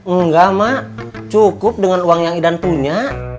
enggak mak cukup dengan uang yang idan punya